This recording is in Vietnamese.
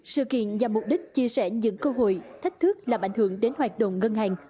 sự kiện nhằm mục đích chia sẻ những cơ hội thách thức làm ảnh hưởng đến hoạt động ngân hàng